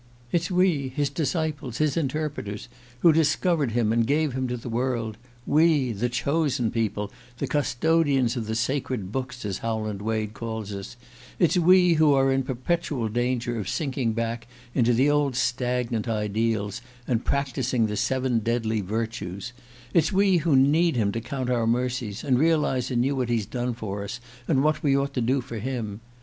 It's we, his disciples, his interpreters, who discovered him and gave him to the world we, the Chosen People, the Custodians of the Sacred Books, as Howland Wade calls us it's we, who are in perpetual danger of sinking back into the old stagnant ideals, and practising the Seven Deadly Virtues; it's we who need to count our mercies, and realize anew what he's done for us, and what we ought to do for him!